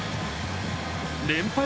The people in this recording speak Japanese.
連敗